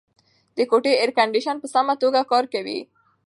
د کوټې اېرکنډیشن په سمه توګه کار کوي.